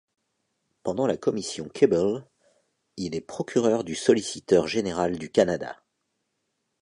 Pendant la Commission Keable il est procureur du Solliciteur général du Canada.